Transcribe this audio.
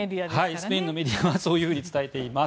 スペインのメディアはそう伝えています。